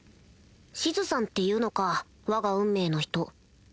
シズさんっていうのかわが運命の人